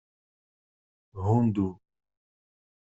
Hundu.